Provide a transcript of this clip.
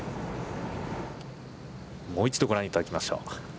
もう一度ご覧いただきましょう。